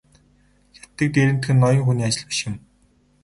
Хятадыг дээрэмдэх нь ноён хүний ажил биш.